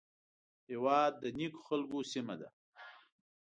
هېواد د نیکو خلکو سیمه ده